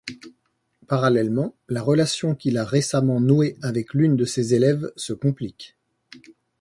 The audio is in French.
Parallèlement, la relation qu'il a récemment nouée avec l'une de ses élèves se complique.